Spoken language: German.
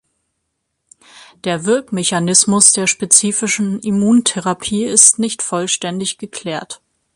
Der Wirkmechanismus der spezifischen Immuntherapie ist nicht vollständig geklärt.